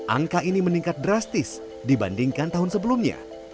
angka ini meningkat drastis dibandingkan tahun sebelumnya